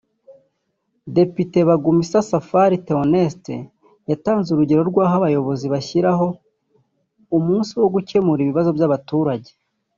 Depite Begumisa Safari Theoneste yatanze urugero rw’aho abayobozi bashyiraho umunsi wo gukemura ibibazo by’abaturage